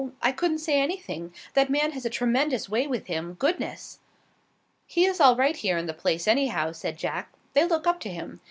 I couldn't say anything. That man has a tremendous way with him. Goodness!" "He is all right here in the place, anyhow," said Jack. "They look up to him.